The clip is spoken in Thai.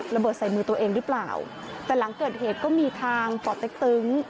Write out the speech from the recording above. ระเบิดใส่มือตัวเองหรือเปล่าแต่หลังเกิดเหตุก็มีทางป่อเต็กตึง